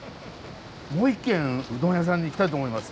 もう一軒うどん屋さんに行きたいと思います。